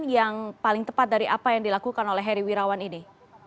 yang paling tepat dari apa yang dilakukan oleh heri wirawan ini